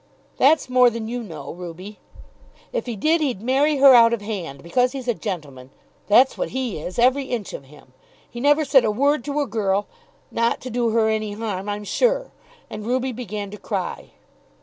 "That's more than you know, Ruby." "If he did he'd marry her out of hand, because he's a gentleman. That's what he is, every inch of him. He never said a word to a girl, not to do her any harm, I'm sure," and Ruby began to cry.